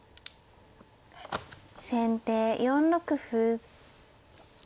先手４六歩。